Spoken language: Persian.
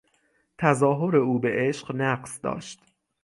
تظاهر او به عشق نقص نداشت.